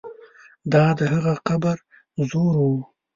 دا د هغه قبر زور وو.